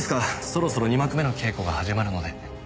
そろそろ二幕目の稽古が始まるので。